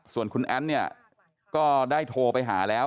ส่วนคุณแอ้นเนี่ยก็ได้โทรไปหาแล้ว